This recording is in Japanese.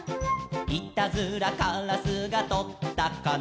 「いたずらからすがとったかな」